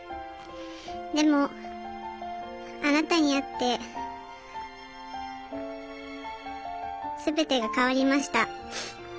でもあなたに会って全てが変わりました。